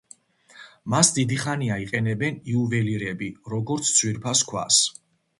მას დიდი ხანია იყენებენ იუველირები როგორც ძვირფას ქვას.